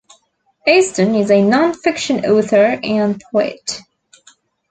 Easton is a non-fiction author and poet.